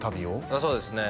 あっそうですね